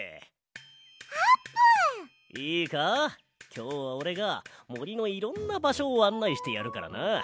きょうはおれがもりのいろんなばしょをあんないしてやるからな。